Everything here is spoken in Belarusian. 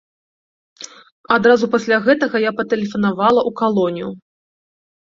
Адразу пасля гэтага я патэлефанавала ў калонію.